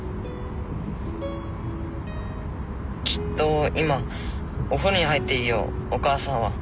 きっと今お風呂に入っているよお母さんは。